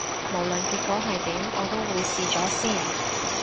無論結果係點，我都會試咗先